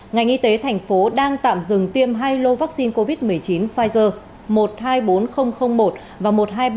ngành y tế thành phố đang tạm dừng tiêm hai lô vaccine covid một mươi chín pfizer một trăm hai mươi bốn nghìn một và một trăm hai mươi ba